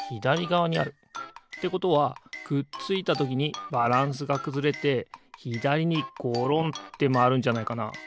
ということはくっついたときにバランスがくずれてひだりにごろんってまわるんじゃないかな？